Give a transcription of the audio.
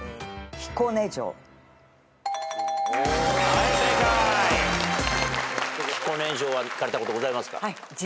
彦根城は行かれたことございますか？